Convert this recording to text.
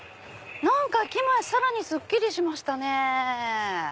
何か駅前さらにすっきりしましたね。